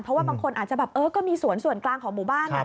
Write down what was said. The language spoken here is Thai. เพราะว่าบางคนอาจจะแบบเออก็มีสวนส่วนกลางของหมู่บ้าน